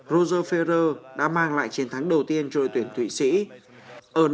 roger ferrer đã mang lại chiến thắng đầu tiên cho đội tuyển tuyển nhật bản